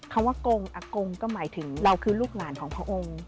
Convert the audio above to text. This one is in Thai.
คำว่ากงอากงก็หมายถึงเราคือลูกหลานของพระองค์